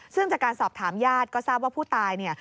ซึ่งจากการสอบถามญาติก็ทราบว่าผู้ตายเนี่ย